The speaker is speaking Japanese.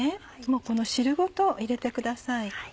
もうこの汁ごと入れてください。